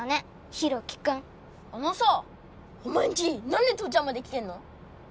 大樹君あのさお前んち何で父ちゃんまで来てんの？